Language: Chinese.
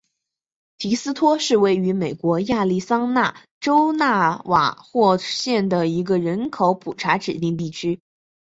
提斯托是位于美国亚利桑那州纳瓦霍县的一个人口普查指定地区。